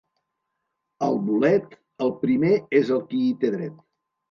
Al bolet, el primer és el qui hi té dret.